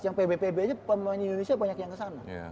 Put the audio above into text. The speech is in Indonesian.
yang pb pb aja pemain indonesia banyak yang kesana